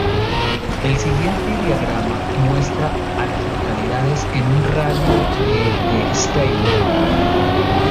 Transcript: El siguiente diagrama muestra a las localidades en un radio de de Staley.